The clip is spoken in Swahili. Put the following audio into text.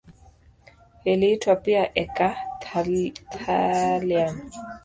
Iliitwa pia eka-thallium.